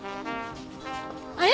あれ？